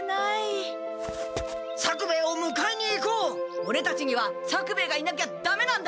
オレたちには作兵衛がいなきゃダメなんだ！